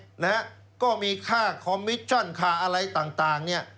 ชูวินิจฉัยนะฮะก็มีค่าคอมมิชชั่นค่ะอะไรต่างเนี่ย